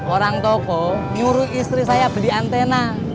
orang toko nyuruh istri saya beli antena